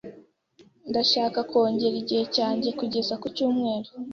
Ndashaka kongera igihe cyanjye kugeza ku cyumweru.